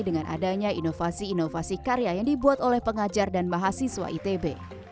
dengan adanya inovasi inovasi karya yang dibuat oleh pengajar dan mahasiswa itb